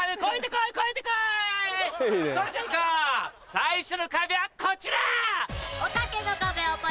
最初の壁はこちら！